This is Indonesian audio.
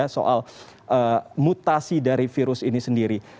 soal mutasi dari virus ini sendiri